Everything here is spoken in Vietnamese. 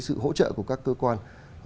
sự hỗ trợ của các cơ quan